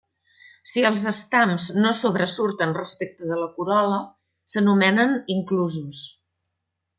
Si els estams no sobresurten respecte de la corol·la, s'anomenen inclusos.